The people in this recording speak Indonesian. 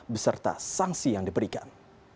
beserta sanksi yang diberikan